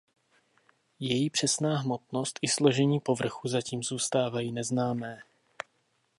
Její přesná hmotnost i složení povrchu zatím zůstávají neznámé.